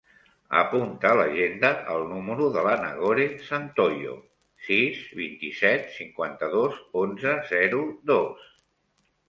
Apunta a l'agenda el número de la Nagore Santoyo: sis, vint-i-set, cinquanta-dos, onze, zero, dos.